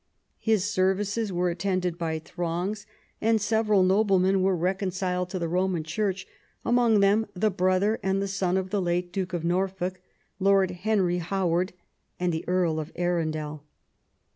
His services were attended by throngs ; and several noblemen were reconciled to the Roman Church, among them the brother and the son of the late Duke of Norfolk, Lord Henry Howard and the Earl of Arundel.